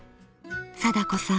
貞子さん。